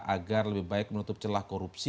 agar lebih baik menutup celah korupsi